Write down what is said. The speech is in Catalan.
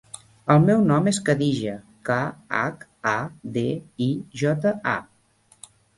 El meu nom és Khadija: ca, hac, a, de, i, jota, a.